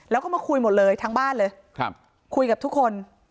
แล้วก็มาคุยหมดเลยทั้งบ้านเลยคุยกับทุกคน